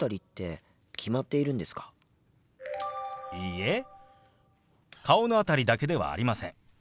いいえ顔の辺りだけではありません。